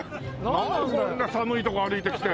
こんな寒いとこ歩いてきて。